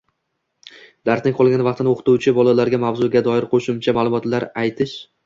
darsning qolgan vaqtini o‘qituvchi bolalarga mavzuga doir qo‘shimcha ma’lumotlarni aytish